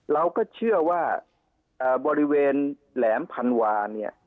เราก็เชื่อว่าบริเวณแหลมพันวาเนี่ย